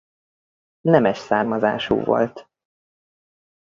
Nemes származású volt.